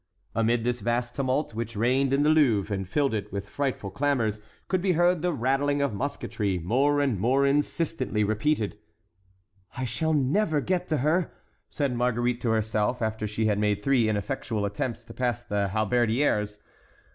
Amid this vast tumult which reigned in the Louvre and filled it with frightful clamors, could be heard the rattling of musketry more and more insistently repeated. "I shall never get to her," said Marguerite to herself after she had made three ineffectual attempts to pass the halberdiers.